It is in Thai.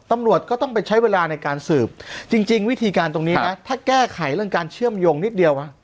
ตำรวจก็ต้องไปใช้เวลาในการสืบจริงวิธีการตรงนี้นะถ้าแก้ไขเรื่องการเชื่อมโยงนิดเดียว